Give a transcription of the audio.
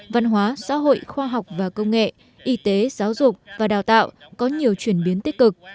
văn hóa xã hội khoa học và công nghệ y tế giáo dục và đào tạo có nhiều chuyển biến tích cực